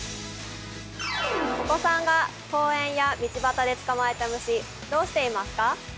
お子さんが公園や道端で捕まえた虫どうしていますか？